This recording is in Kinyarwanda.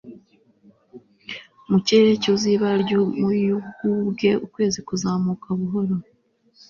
Mu kirere cyuzuye ibara ryumuyugubwe ukwezi kuzamuka buhoro